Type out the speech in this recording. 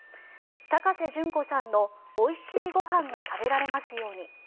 高瀬隼子さんの「おいしいごはんが食べられますように」